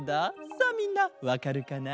さあみんなわかるかな？